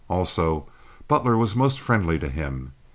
Also, Butler was most friendly to him.